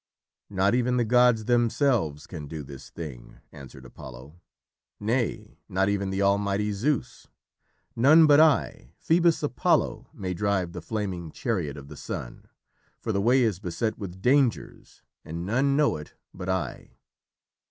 "Not even the gods themselves can do this thing," answered Apollo. "Nay, not even the almighty Zeus. None but I, Phœbus Apollo, may drive the flaming chariot of the sun, for the way is beset with dangers and none know it but I."